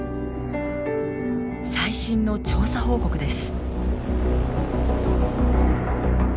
最新の調査報告です。